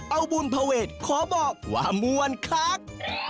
เอาบุญภเวทขอบอกว่ามวลคัก